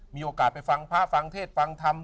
มีโอกาสไปฟังพระฟังเทศฟังธรรม